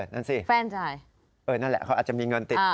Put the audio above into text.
นั่นสิแฟนจ่ายเออนั่นแหละเขาอาจจะมีเงินติด